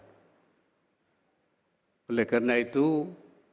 oleh karena itu terorisme harus diberhentas sampai ke akal